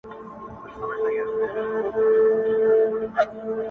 خو نه هسي چي زمری وو ځغلېدلی -